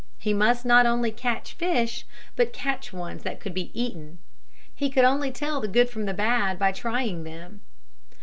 He must not only catch fish, but catch ones that could be eaten. He could only tell the good from the bad by trying them.